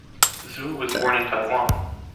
Zhou was born in Taiwan.